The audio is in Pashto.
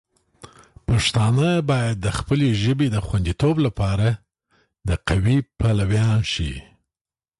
پښتانه باید د خپلې ژبې د خوندیتوب لپاره د قوی پلویان شي.